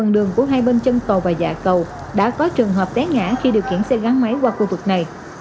điều kiển xe gắn máy qua khu vực này